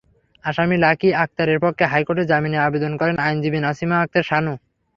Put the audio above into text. আসামি লাকী আকতারের পক্ষে হাইকোর্টে জামিনের আবেদন করেন আইনজীবী নাসিমা আখতার সানু।